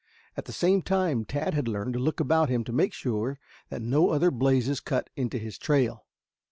At the same time Tad had learned to look about him to make sure that no other blazes cut into his trail.